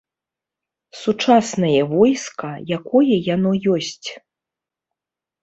Сучаснае войска, якое яно ёсць.